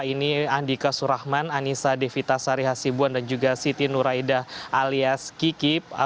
ini andika surahman anissa devita sari hasibuan dan juga siti nuraidah alias kikip